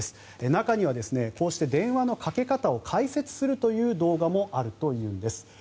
中にはこうして電話のかけ方を解説するという動画もあるというんです。